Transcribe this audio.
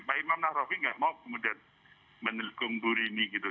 pak imam nahrawi tidak mau kemudian menelkum burini gitu